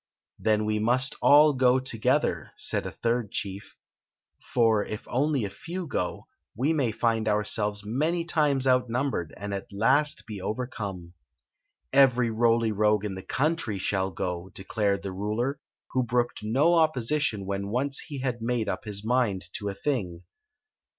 " Then we must all go together," said a third chief; "for, if only a few go, we may find ourselves many times outnumbered and at last be overcome." "Every Roly Rogue in the country shall g<.! declared the ruler, who brooked no opposition when once he had made up his mind to a thing.